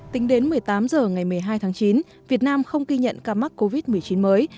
tính đến một mươi tám h ngày một mươi hai tháng chín việt nam không ghi nhận ca mắc covid một mươi chín mới